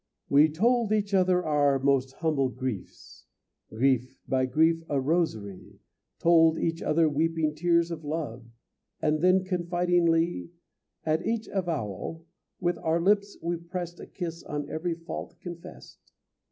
We told each other our most humble griefs, Grief by grief, a rosary, Told each other, weeping tears of love; And then confidingly, At each avowal, with our lips we pressed A kiss on every fault confessed.